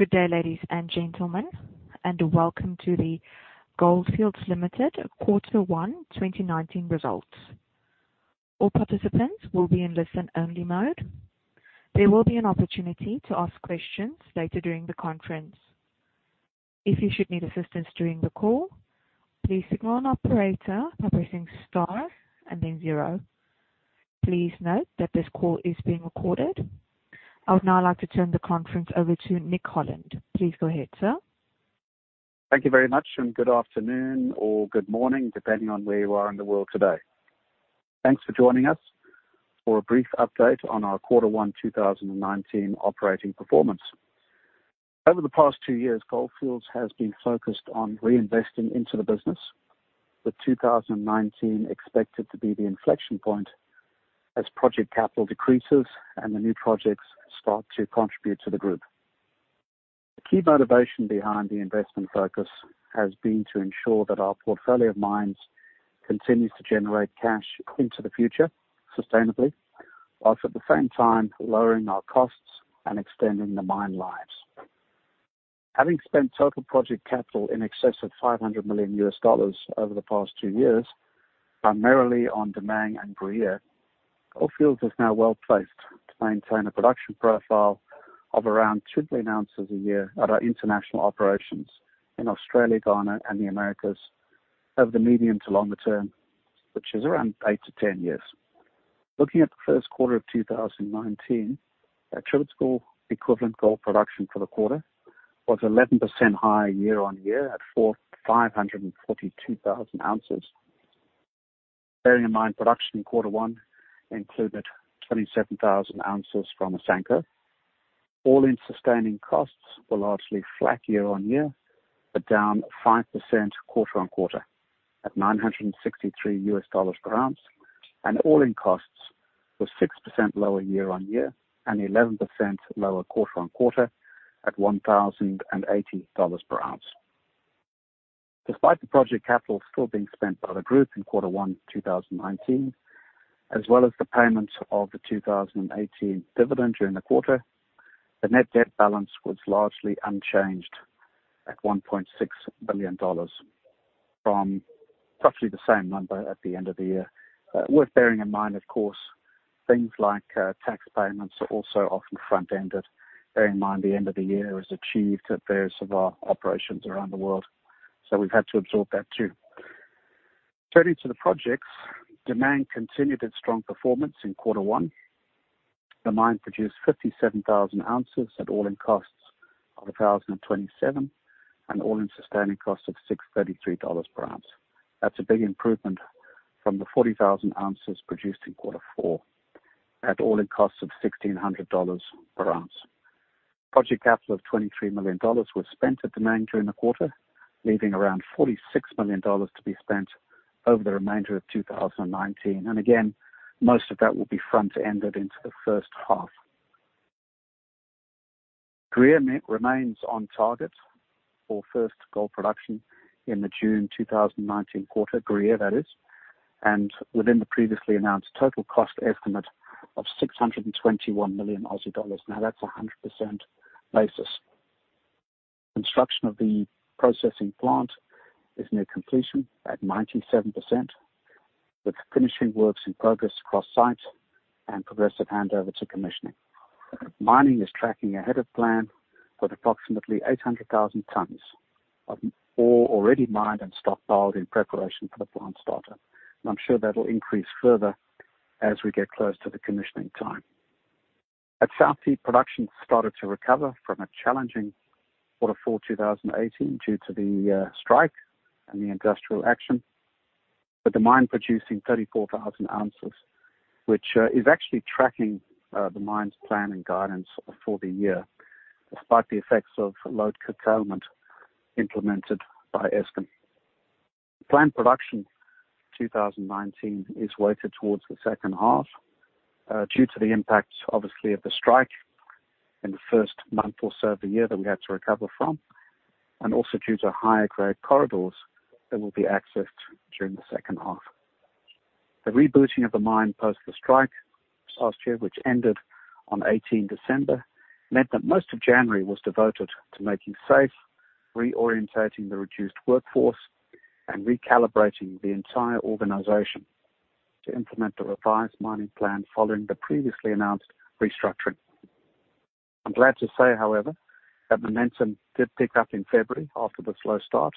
Good day, ladies and gentlemen, and welcome to the Gold Fields Limited Quarter 1 2019 results. All participants will be in listen-only mode. There will be an opportunity to ask questions later during the conference. If you should need assistance during the call, please signal an operator by pressing star and then zero. Please note that this call is being recorded. I would now like to turn the conference over to Nick Holland. Please go ahead, sir. Thank you very much. Good afternoon or good morning, depending on where you are in the world today. Thanks for joining us for a brief update on our Quarter 1 2019 operating performance. Over the past two years, Gold Fields has been focused on reinvesting into the business, with 2019 expected to be the inflection point as project capital decreases and the new projects start to contribute to the group. The key motivation behind the investment focus has been to ensure that our portfolio of mines continues to generate cash into the future sustainably, whilst at the same time lowering our costs and extending the mine lives. Having spent total project capital in excess of $500 million over the past two years, primarily on Damang and Gruyere, Gold Fields is now well-placed to maintain a production profile of around two million ounces a year at our international operations in Australia, Ghana, and the Americas over the medium to longer term, which is around eight to 10 years. Looking at the first quarter of 2019, attributable equivalent gold production for the quarter was 11% higher year-on-year at 542,000 ounces. Bearing in mind, production in quarter one included 27,000 ounces from Asanko. all-in sustaining costs were largely flat year-on-year, but down 5% quarter-on-quarter at $963 per ounce, and all-in costs were 6% lower year-on-year and 11% lower quarter-on-quarter at $1,080 per ounce. Despite the project capital still being spent by the group in quarter one 2019, as well as the payment of the 2018 dividend during the quarter, the net debt balance was largely unchanged at $1.6 billion from roughly the same number at the end of the year. Worth bearing in mind, of course, things like tax payments are also often front-ended. Bear in mind, the end of the year is achieved at various of our operations around the world. We've had to absorb that, too. Turning to the projects, Damang continued its strong performance in quarter one. The mine produced 57,000 ounces at all-in costs of $1,027 and all-in sustaining costs of $633 per ounce. That's a big improvement from the 40,000 ounces produced in quarter four at all-in costs of $1,600 per ounce. Project capital of $23 million was spent at Damang during the quarter, leaving around $46 million to be spent over the remainder of 2019. Again, most of that will be front-ended into the first half. Gruyere remains on target for first gold production in the June 2019 quarter, Gruyere, that is, within the previously announced total cost estimate of 621 million Aussie dollars. That's 100% basis. Construction of the processing plant is near completion at 97%, with finishing works in progress across site and progressive handover to commissioning. Mining is tracking ahead of plan with approximately 800,000 tons of ore already mined and stockpiled in preparation for the plant starter. I'm sure that'll increase further as we get close to the commissioning time. At South Deep, production started to recover from a challenging quarter 4 2018 due to the strike and the industrial action, with the mine producing 34,000 ounces, which is actually tracking the mine's plan and guidance for the year, despite the effects of load curtailment implemented by Eskom. The planned production 2019 is weighted towards the second half due to the impact, obviously, of the strike in the first month or so of the year that we had to recover from, and also due to higher-grade corridors that will be accessed during the second half. The rebooting of the mine post the strike last year, which ended on 18 December, meant that most of January was devoted to making safe, reorientating the reduced workforce, and recalibrating the entire organization to implement the revised mining plan following the previously announced restructuring. I'm glad to say, however, that momentum did pick up in February after the slow start,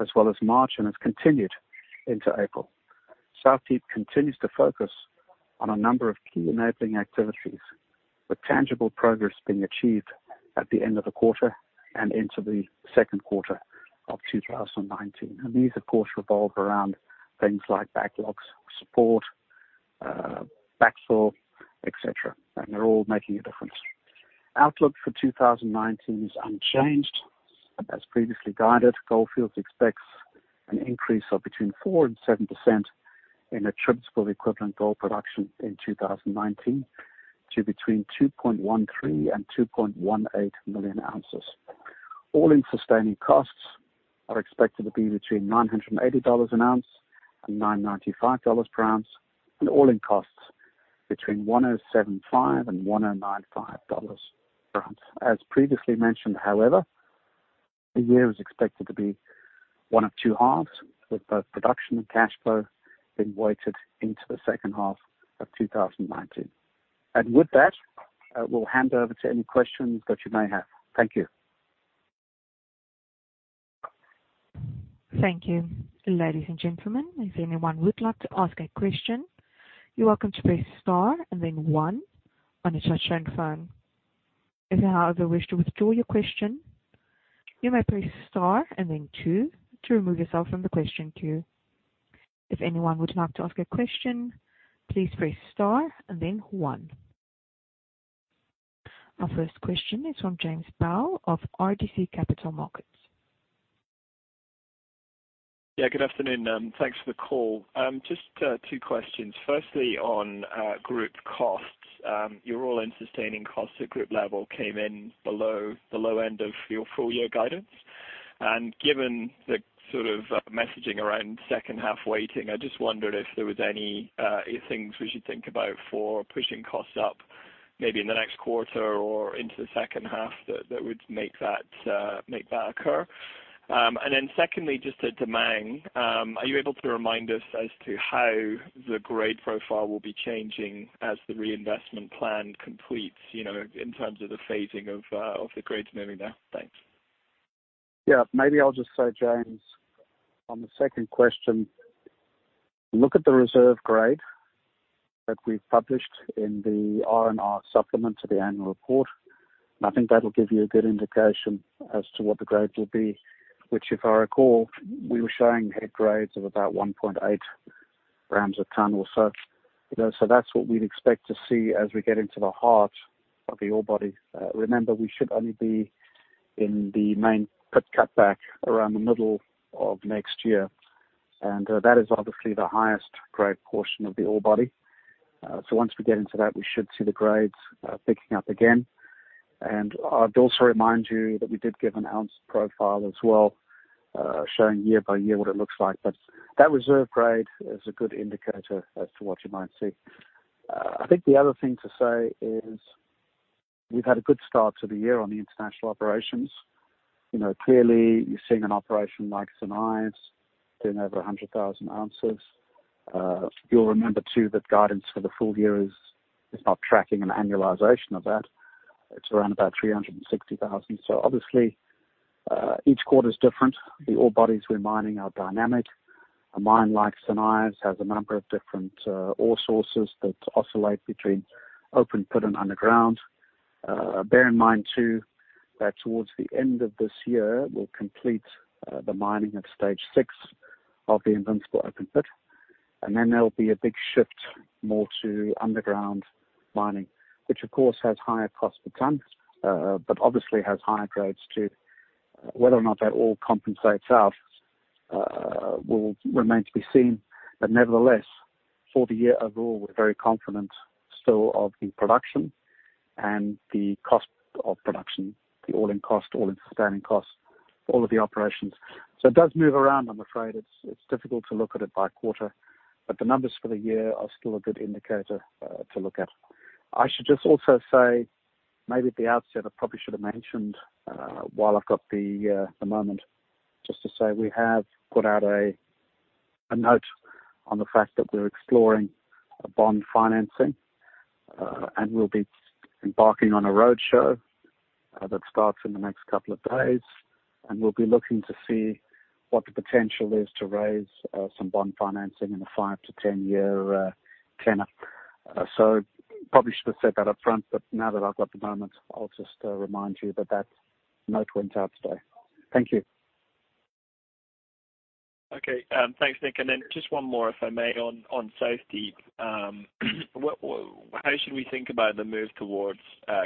as well as March and has continued into April. South Deep continues to focus on a number of key enabling activities, with tangible progress being achieved at the end of the quarter and into the second quarter of 2019. These, of course, revolve around things like backlogs, support, backfill, et cetera, and they're all making a difference. Outlook for 2019 is unchanged. As previously guided, Gold Fields expects an increase of between 4% and 7% in attributable equivalent gold production in 2019 to between 2.13 and 2.18 million ounces. All-in sustaining costs are expected to be between $980 an ounce and $995 per ounce, and all-in costs between $1075 and $1095 per ounce. As previously mentioned, however, the year is expected to be one of two halves, with both production and cash flow being weighted into the second half of 2019. With that, I will hand over to any questions that you may have. Thank you. Thank you. Ladies and gentlemen, if anyone would like to ask a question, you're welcome to press Star and then One on your touchtone phone. If at any other wish to withdraw your question, you may press Star and then Two to remove yourself from the question queue. If anyone would like to ask a question, please press Star and then One. Our first question is from James Bell of RBC Capital Markets. Yeah, good afternoon. Thanks for the call. Just two questions. Firstly, on group costs. Your all-in sustaining costs at group level came in below the low end of your full year guidance. Given the sort of messaging around second half weighting, I just wondered if there was any things we should think about for pushing costs up, maybe in the next quarter or into the second half, that would make that occur. Secondly, just at Damang. Are you able to remind us as to how the grade profile will be changing as the reinvestment plan completes, in terms of the phasing of the grades moving there? Thanks. Yeah. Maybe I'll just say, James, on the second question, look at the reserve grade that we've published in the R&R supplement to the annual report. I think that'll give you a good indication as to what the grades will be. Which if I recall, we were showing head grades of about 1.8 grams a ton or so. That's what we'd expect to see as we get into the heart of the ore body. Remember, we should only be in the main pit cutback around the middle of next year, and that is obviously the highest grade portion of the ore body. Once we get into that, we should see the grades picking up again. I'd also remind you that we did give an ounce profile as well, showing year by year what it looks like. That reserve grade is a good indicator as to what you might see. I think the other thing to say is we've had a good start to the year on the international operations. Clearly you're seeing an operation like St. Ives doing over 100,000 ounces. You'll remember, too, that guidance for the full year is about tracking an annualization of that. It's around about 360,000. Obviously, each quarter is different. The ore bodies we're mining are dynamic. A mine like St. Ives has a number of different ore sources that oscillate between open pit and underground. Bear in mind, too, that towards the end of this year, we'll complete the mining of stage 6 of the Invincible open pit, and then there'll be a big shift more to underground mining. Which of course has higher cost per ton, but obviously has higher grades too. Whether or not that all compensates out will remain to be seen. Nevertheless, for the year overall, we're very confident still of the production and the cost of production, the all-in costs, all-in sustaining costs for all of the operations. It does move around, I'm afraid. It's difficult to look at it by quarter, but the numbers for the year are still a good indicator to look at. I should just also say maybe at the outset, I probably should have mentioned, while I've got the moment just to say we have put out a note on the fact that we're exploring a bond financing. We'll be embarking on a road show that starts in the next couple of days, and we'll be looking to see what the potential is to raise some bond financing in the 5 to 10 year tenor. Probably should have said that up front, now that I've got the moment, I'll just remind you that that note went out today. Thank you. Okay. Thanks, Nick. Just one more, if I may, on South Deep. How should we think about the move towards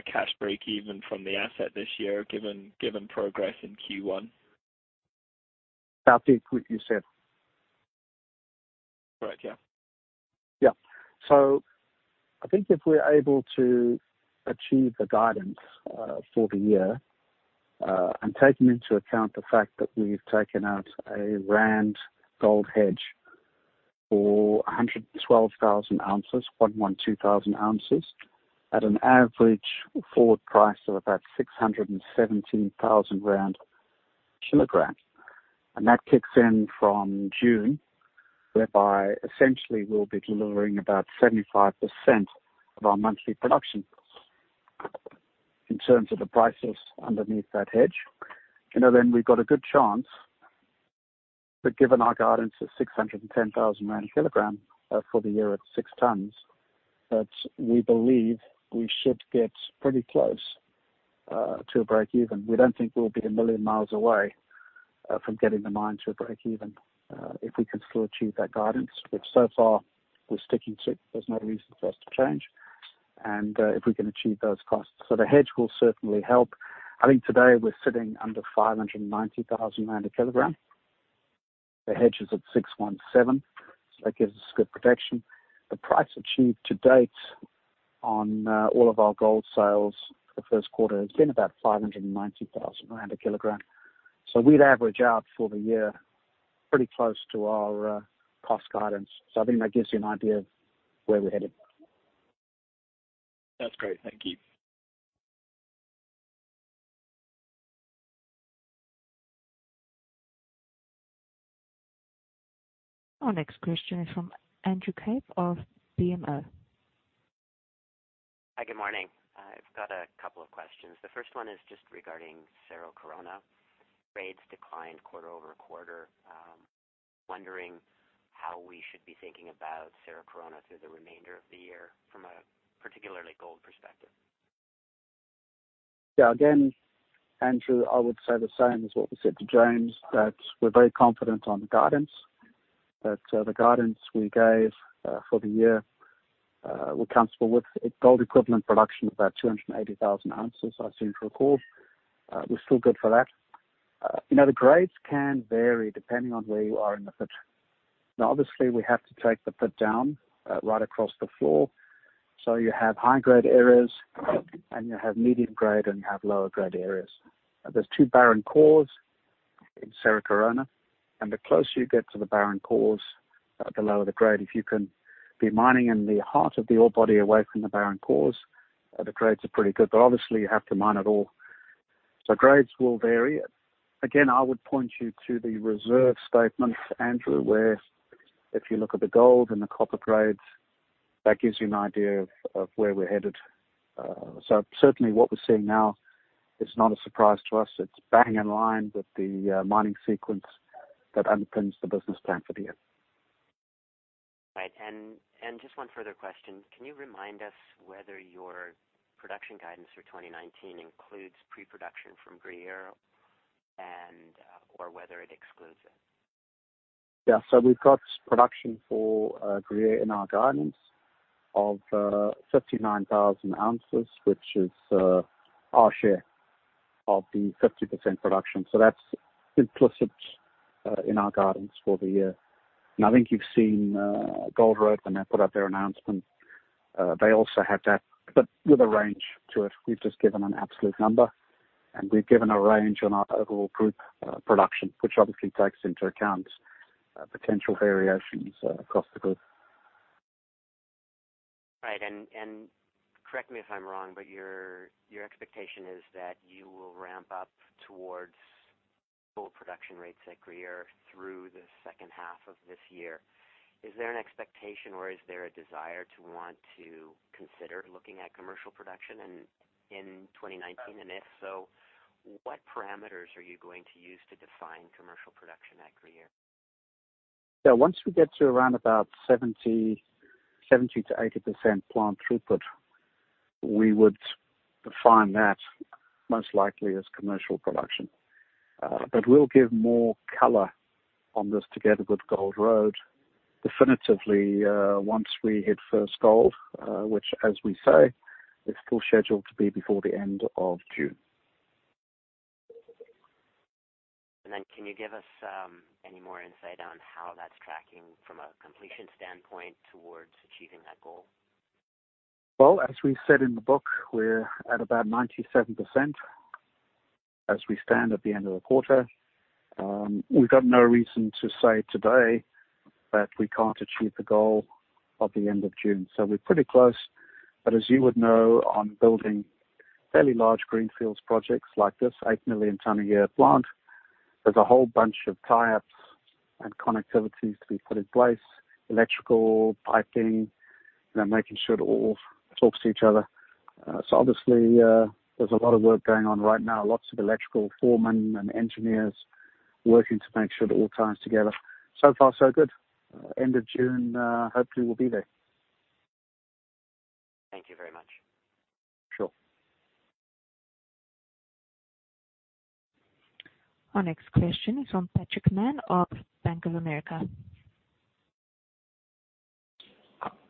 cash breakeven from the asset this year, given progress in Q1? South Deep, you said? Right, yeah. I think if we're able to achieve the guidance for the year, taking into account the fact that we've taken out a rand gold hedge for 112,000 ounces at an average forward price of about 617,000 rand a kilogram. That kicks in from June, whereby essentially we'll be delivering about 75% of our monthly production in terms of the prices underneath that hedge. We've got a good chance that given our guidance is 610,000 rand a kilogram for the year at 6 tons, that we believe we should get pretty close to a breakeven. We don't think we'll be a million miles away from getting the mine to a breakeven if we can still achieve that guidance, which so far we're sticking to. There's no reason for us to change. If we can achieve those costs. The hedge will certainly help. I think today we're sitting under 590,000 rand a kilogram. The hedge is at 617,000, so that gives us good protection. The price achieved to date on all of our gold sales for the first quarter has been about 590,000 rand a kilogram. I think that gives you an idea of where we're headed. That's great. Thank you. Our next question is from Andrew Kaip of BMO. Hi, good morning. I've got a couple of questions. The first one is just regarding Cerro Corona. Grades declined quarter-over-quarter. I'm wondering how we should be thinking about Cerro Corona through the remainder of the year from a particularly gold perspective. Yeah. Again, Andrew, I would say the same as what we said to James, that we're very confident on the guidance, that the guidance we gave for the year, we're comfortable with. Gold equivalent production of about 280,000 ounces, I seem to recall. We're still good for that. The grades can vary depending on where you are in the pit. Obviously, we have to take the pit down right across the floor. You have high-grade areas and you have medium grade, and you have lower-grade areas. There's two barren cores in Cerro Corona, and the closer you get to the barren cores, the lower the grade. If you can be mining in the heart of the ore body away from the barren cores, the grades are pretty good, obviously you have to mine it all. Grades will vary. Again, I would point you to the reserve statement, Andrew, where if you look at the gold and the copper grades, that gives you an idea of where we're headed. Certainly what we're seeing now is not a surprise to us. It's bang in line with the mining sequence that underpins the business plan for the year. Right. Just one further question. Can you remind us whether your production guidance for 2019 includes pre-production from Gruyere? Or whether it excludes it? Yeah. We've got production for Gruyere in our guidance of 39,000 ounces, which is our share of the 30% production. That's implicit in our guidance for the year. I think you've seen Gold Road Resources when they put out their announcement. They also have that, but with a range to it. We've just given an absolute number, and we've given a range on our overall group production, which obviously takes into account potential variations across the group. Right. Correct me if I'm wrong, your expectation is that you will ramp up towards full production rates at Gruyere through the second half of this year. Is there an expectation or is there a desire to want to consider looking at commercial production in 2019? If so, what parameters are you going to use to define commercial production at Gruyere? Yeah. Once we get to around about 70%-80% plant throughput, we would define that most likely as commercial production. We'll give more color on this together with Gold Road Resources definitively, once we hit first gold, which as we say, is still scheduled to be before the end of June. Can you give us any more insight on how that's tracking from a completion standpoint towards achieving that goal? Well, as we said in the book, we're at about 97% as we stand at the end of the quarter. We've got no reason to say today that we can't achieve the goal of the end of June, so we're pretty close. As you would know, on building fairly large greenfields projects like this 8 million ton a year plant, there's a whole bunch of tie-ups and connectivities to be put in place, electrical, piping, making sure it all talks to each other. Obviously, there's a lot of work going on right now, lots of electrical foremen and engineers working to make sure that all ties together. So far so good. End of June, hopefully we'll be there. Thank you very much. Sure. Our next question is from Patrick Mann of Bank of America.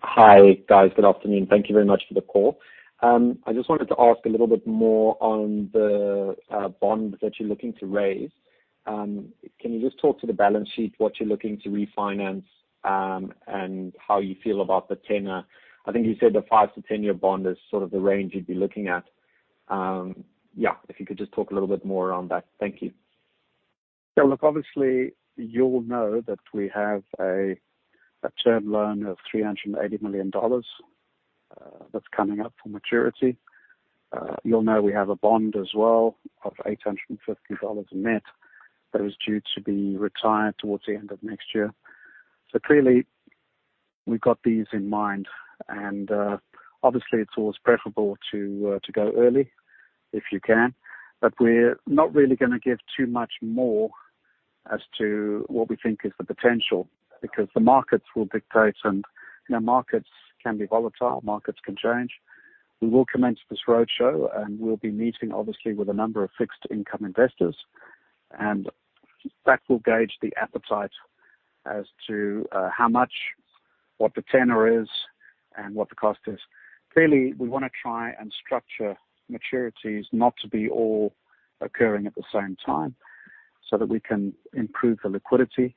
Hi, guys. Good afternoon. Thank you very much for the call. I just wanted to ask a little bit more on the bonds that you're looking to raise. Can you just talk to the balance sheet, what you're looking to refinance, and how you feel about the tenor? I think you said the 5-10 year bond is sort of the range you'd be looking at. Yeah, if you could just talk a little bit more on that. Thank you. Yeah, look, obviously, you'll know that we have a term loan of $380 million that's coming up for maturity. You'll know we have a bond as well of $850 million net that is due to be retired towards the end of next year. Clearly, we've got these in mind, and obviously, it's always preferable to go early if you can. We're not really going to give too much more as to what we think is the potential because the markets will dictate and markets can be volatile, markets can change. We will commence this roadshow, and we'll be meeting obviously with a number of fixed income investors, and that will gauge the appetite as to how much what the tenor is and what the cost is. Clearly, we want to try and structure maturities not to be all occurring at the same time so that we can improve the liquidity.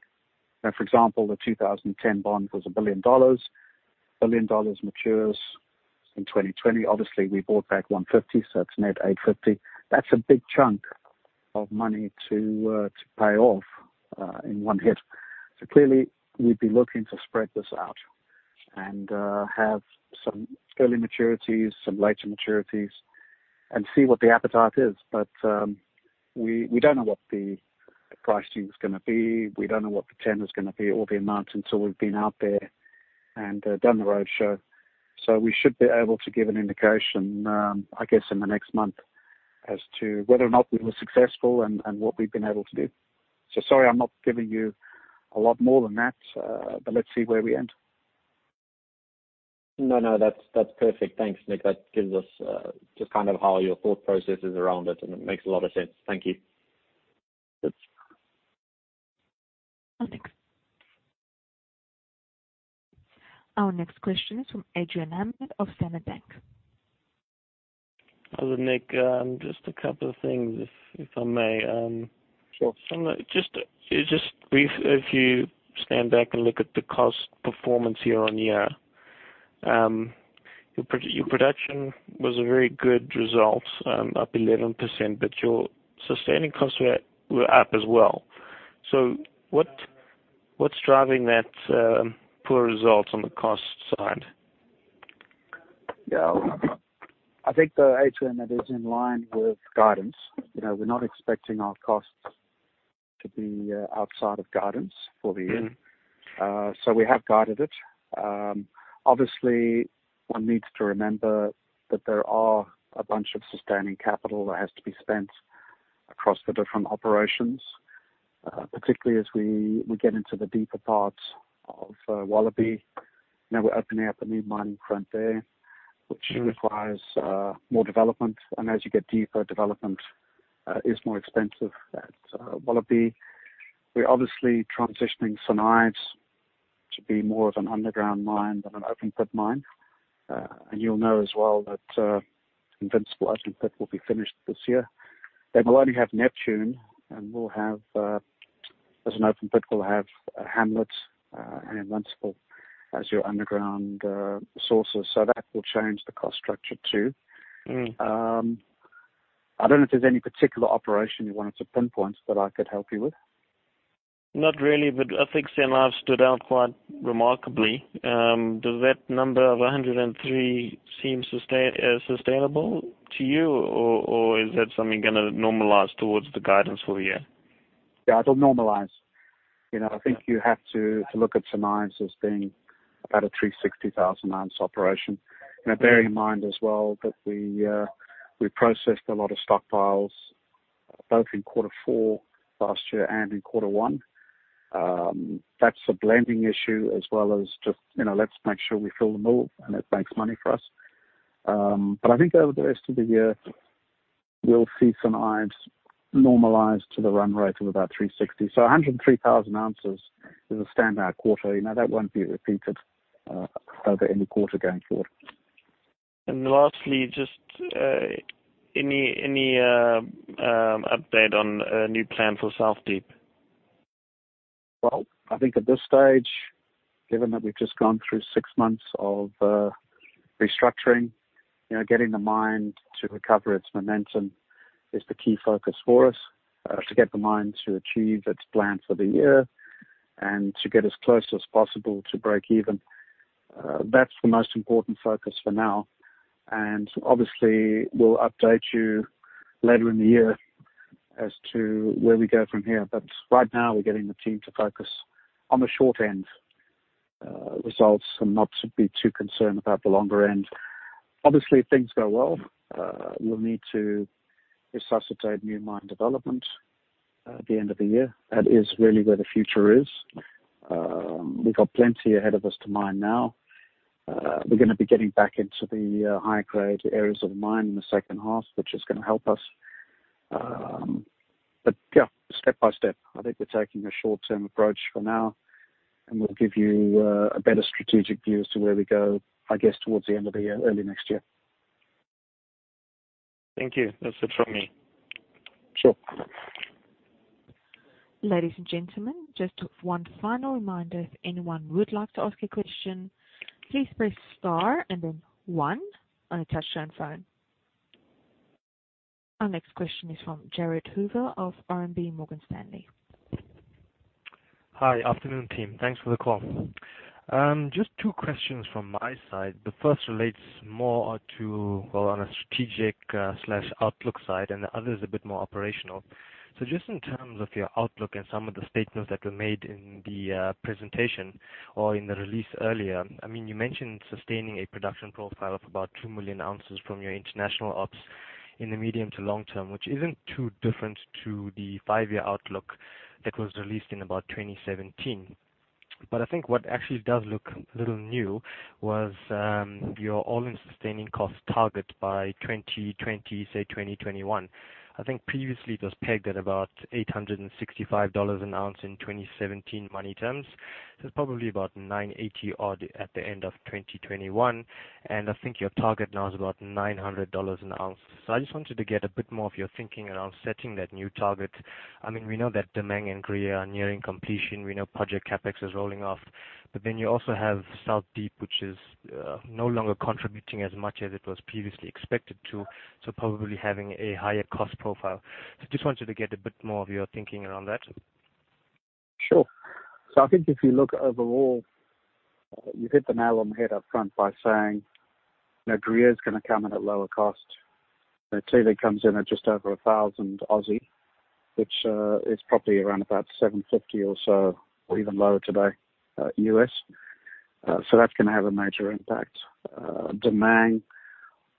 For example, the 2010 bond was $1 billion. $1 billion matures in 2020. Obviously, we bought back $150 million, so that's net $850 million. That's a big chunk of money to pay off in one hit. Clearly, we'd be looking to spread this out and have some early maturities, some later maturities, and see what the appetite is. We don't know what the pricing is going to be. We don't know what the tenor is going to be or the amount until we've been out there and done the roadshow. We should be able to give an indication, I guess, in the next month as to whether or not we were successful and what we've been able to do. Sorry, I'm not giving you a lot more than that, but let's see where we end. No, that's perfect. Thanks, Nick. That gives us just kind of how your thought process is around it, and it makes a lot of sense. Thank you. Sure. Our next question is from Adrian Hammond of SBG Securities. Hello, Nick. Just a couple of things, if I may. Sure. Just briefly, if you stand back and look at the cost performance year-on-year. Your production was a very good result, up 11%, but your sustaining costs were up as well. What's driving that poor result on the cost side? Look, I think, Adrian, that is in line with guidance. We're not expecting our costs to be outside of guidance for the year. We have guided it. Obviously, one needs to remember that there are a bunch of sustaining capital that has to be spent across the different operations, particularly as we get into the deeper parts of Wallaby. We're opening up a new mining front there, which requires more development. As you get deeper, development is more expensive at Wallaby. We're obviously transitioning St. Ives to be more of an underground mine than an open-pit mine. You'll know as well that Invincible open pit will be finished this year. We'll only have Neptune, and as an open pit, we'll have Hamlet and Invincible as your underground sources. That will change the cost structure, too. I don't know if there's any particular operation you wanted to pinpoint that I could help you with. Not really, I think St. Ives stood out quite remarkably. Does that number of 103 seem sustainable to you, or is that something going to normalize towards the guidance for the year? Yeah, it'll normalize. I think you have to look at St. Ives as being about a 360,000-ounce operation. Bearing in mind as well that we processed a lot of stockpiles both in quarter four last year and in quarter one. That's a blending issue as well as just, let's make sure we fill the mill and it makes money for us. I think over the rest of the year, we'll see St. Ives normalize to the run rate of about 360. 103,000 ounces is a standout quarter. That won't be repeated over any quarter going forward. Lastly, just any update on a new plan for South Deep? Well, I think at this stage, given that we've just gone through six months of restructuring, getting the mine to recover its momentum is the key focus for us, to get the mine to achieve its plan for the year and to get as close as possible to break even. That's the most important focus for now. Obviously we'll update you later in the year as to where we go from here. Right now, we're getting the team to focus on the short end results and not to be too concerned about the longer end. Obviously, if things go well, we'll need to resuscitate new mine development at the end of the year. That is really where the future is. We've got plenty ahead of us to mine now. We're going to be getting back into the higher-grade areas of the mine in the second half, which is going to help us. Yeah, step by step. I think we're taking a short-term approach for now, We'll give you a better strategic view as to where we go, I guess, towards the end of the year, early next year. Thank you. That's it from me. Sure. Ladies and gentlemen, just one final reminder. If anyone would like to ask a question, please press star and then one on a touch-tone phone. Our next question is from Gerrit Hoover of RMB Morgan Stanley. Hi. Afternoon, team. Thanks for the call. Just two questions from my side. The first relates more to, well, on a strategic/outlook side, and the other is a bit more operational. Just in terms of your outlook and some of the statements that were made in the presentation or in the release earlier. You mentioned sustaining a production profile of about 2 million ounces from your international ops in the medium to long term, which isn't too different to the 5-year outlook that was released in about 2017. I think what actually does look a little new was your all-in sustaining costs target by 2020, say 2021. I think previously it was pegged at about $865 an ounce in 2017 money terms. It's probably about $980 odd at the end of 2021. I think your target now is about $900 an ounce. I just wanted to get a bit more of your thinking around setting that new target. We know that Damang and Gruyere are nearing completion. We know project CapEx is rolling off. You also have South Deep, which is no longer contributing as much as it was previously expected to, so probably having a higher cost profile. Just wanted to get a bit more of your thinking around that. Sure. I think if you look overall, you hit the nail on the head up front by saying, Gruyere is going to come in at lower cost. Clearly comes in at just over 1,000, which is probably around about $750 or so, or even lower today, U.S. That's going to have a major impact. Damang,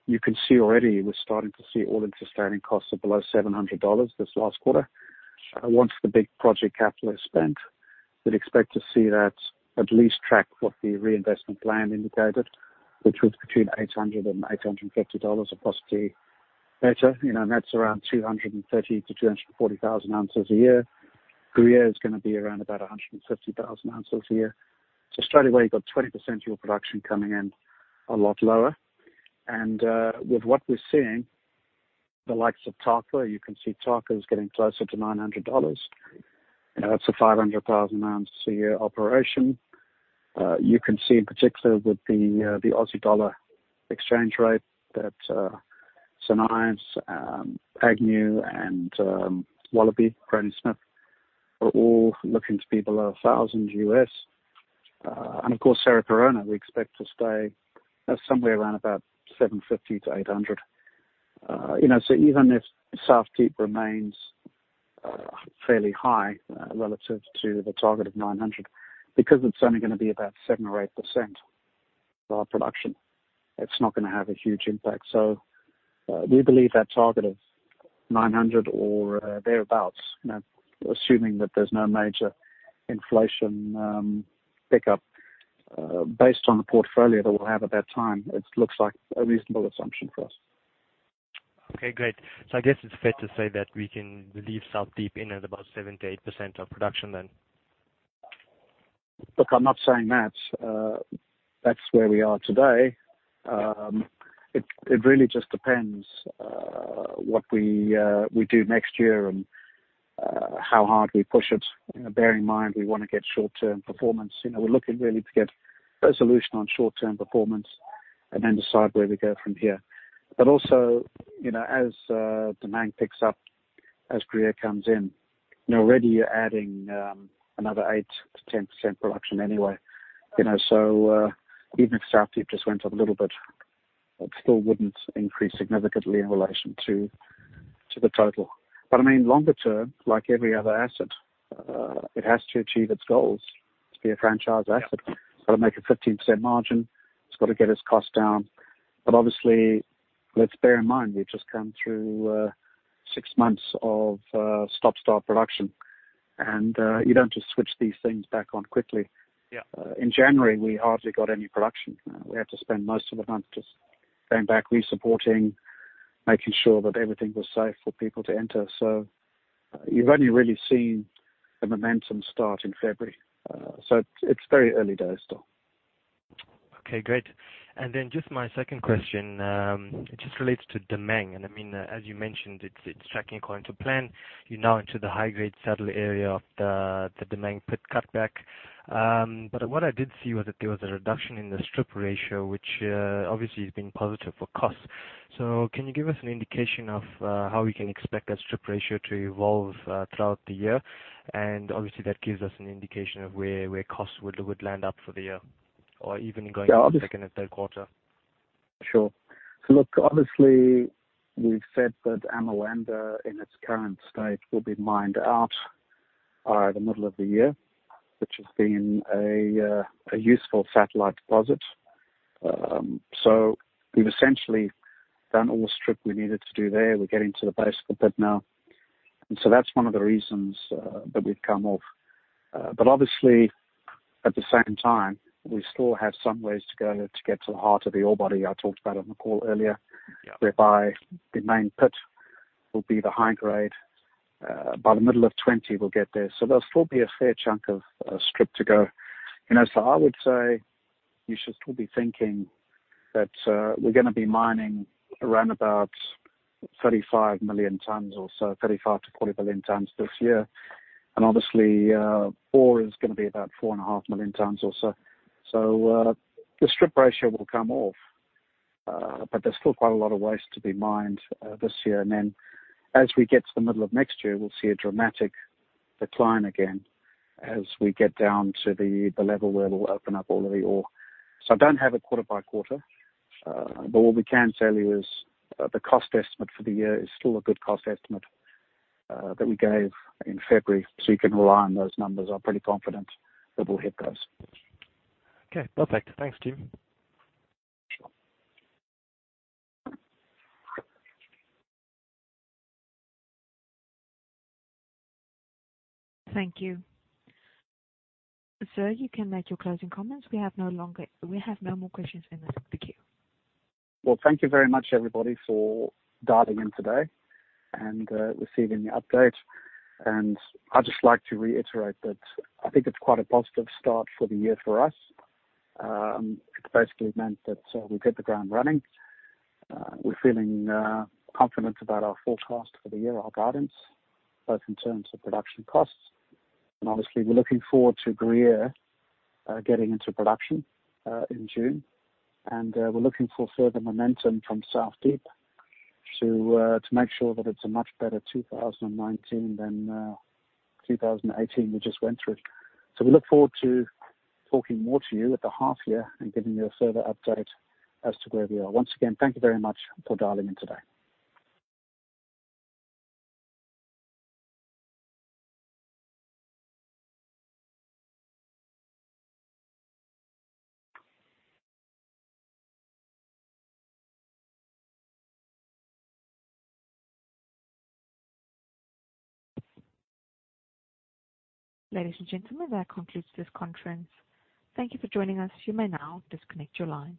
you can see already, we're starting to see all-in sustaining costs are below $700 this last quarter. Once the big project capital is spent, we'd expect to see that at least track what the reinvestment plan indicated, which was between $800 and $850 across the meter. That's around 230,000-240,000 ounces a year. Gruyere is going to be around about 150,000 ounces a year. Straight away, you've got 20% of your production coming in a lot lower. With what we're seeing, the likes of Tarkwa, you can see Tarkwa is getting closer to $900. That's a 500,000 ounces a year operation. You can see in particular with the AUD exchange rate that St. Ives, Agnew, and Wallaby, Granny Smith, are all looking to be below $1,000 U.S. Of course, Cerro Corona, we expect to stay somewhere around about $750-$800. Even if South Deep remains fairly high relative to the target of $900, because it's only going to be about 7% or 8% of our production, it's not going to have a huge impact. We believe that target of $900 or thereabout, assuming that there's no major inflation pickup based on the portfolio that we'll have at that time, it looks like a reasonable assumption for us. Okay, great. I guess it's fair to say that we can leave South Deep in at about 7%-8% of production then. Look, I'm not saying that. That's where we are today. It really just depends what we do next year and how hard we push it, bearing in mind we want to get short-term performance. We're looking really to get a solution on short-term performance and then decide where we go from here. Also, as demand picks up, as Gruyere comes in, already you're adding another 8%-10% production anyway. Even if South Deep just went up a little bit, it still wouldn't increase significantly in relation to the total. Longer term, like every other asset, it has to achieve its goals to be a franchise asset. It's got to make a 15% margin. It's got to get its cost down. Obviously, let's bear in mind, we've just come through six months of stop-start production, and you don't just switch these things back on quickly. Yeah. In January, we hardly got any production. We had to spend most of the month just going back, re-supporting, making sure that everything was safe for people to enter. You've only really seen the momentum start in February. It's very early days still. Okay, great. Then just my second question, just relates to Damang. As you mentioned, it's tracking according to plan. You're now into the high-grade Saddle area of the Damang pit cutback. What I did see was that there was a reduction in the strip ratio, which obviously has been positive for cost. Can you give us an indication of how we can expect that strip ratio to evolve throughout the year? Obviously, that gives us an indication of where costs would land up for the year or even going into the second and third quarter. Sure. Look, obviously, we've said that Amoanda in its current state will be mined out by the middle of the year, which has been a useful satellite deposit. We've essentially done all the strip we needed to do there. We're getting to the base of the pit now. That's one of the reasons that we've come off. Obviously, at the same time, we still have some ways to go to get to the heart of the ore body I talked about on the call earlier. Yeah whereby the main pit will be the high grade. By the middle of 2020, we'll get there. There'll still be a fair chunk of strip to go. I would say you should still be thinking that we're going to be mining around about 35 million tons or so, 35-40 million tons this year. Obviously, ore is going to be about 4.5 million tons or so. The strip ratio will come off, but there's still quite a lot of waste to be mined this year. As we get to the middle of next year, we'll see a dramatic decline again as we get down to the level where it'll open up all of the ore. I don't have it quarter by quarter. What we can tell you is the cost estimate for the year is still a good cost estimate that we gave in February, so you can rely on those numbers. I'm pretty confident that we'll hit those. Okay, perfect. Thanks, Nick. Thank you. Sir, you can make your closing comments. We have no more questions in the queue. Well, thank you very much, everybody, for dialing in today and receiving the update. I'd just like to reiterate that I think it's quite a positive start for the year for us. It basically meant that we hit the ground running. We're feeling confident about our forecast for the year, our guidance, both in terms of production costs. Obviously, we're looking forward to Gruyere getting into production in June. We're looking for further momentum from South Deep to make sure that it's a much better 2019 than 2018 we just went through. We look forward to talking more to you at the half year and giving you a further update as to where we are. Once again, thank you very much for dialing in today. Ladies and gentlemen, that concludes this conference. Thank you for joining us. You may now disconnect your lines.